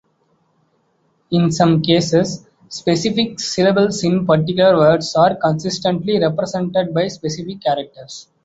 In some cases, specific syllables in particular words are consistently represented by specific characters.